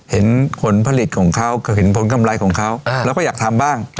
เห็นผลผลิตของเขาก็เห็นผลกำไรของเขาเราก็อยากทำบ้าง